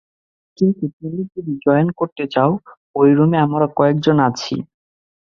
কিন্তু তুমি যদি জয়েন করতে চাও ঐ রুমে আমরা কয়েকজন আছি।